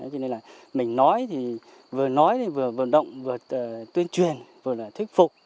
cho nên là mình nói thì vừa nói thì vừa động vừa tuyên truyền vừa là thuyết phục